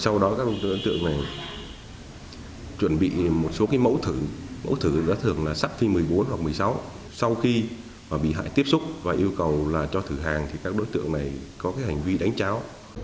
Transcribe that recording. sau đó các đối tượng này chuẩn bị một số mẫu thử mẫu thử thường là sắp phi một mươi bốn hoặc một mươi sáu sau khi bị hại tiếp xúc và yêu cầu cho thử hàng các đối tượng này có hành vi đánh cháo